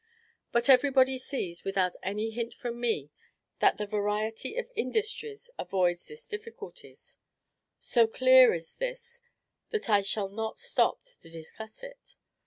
But every body sees, without any hint from me, that the variety of industries avoids this difficulty; so clear is this that I shall not stop to discuss it.